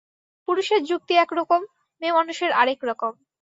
পুরুষের যুক্তি এক রকম, মেয়েমানুষের আর এক রকম।